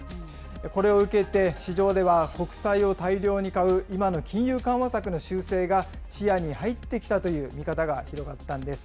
これを受けて市場では、国債を大量に買う今の金融緩和策の修正が視野に入ってきたという見方が広がったんです。